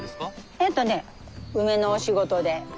えとね梅のお仕事で。